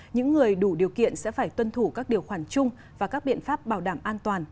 những người đủ điều kiện sẽ phải tuân thủ các điều khoản chung và các biện pháp bảo đảm an toàn